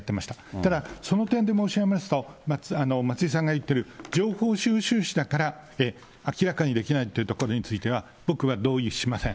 ただ、その点で申し上げますと、松井さんが言ってる情報収取費だから明らかにできないっていうところについては、僕は同意しません。